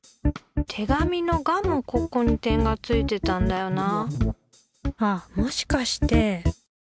てがみの「が」もここに点がついてたんだよな。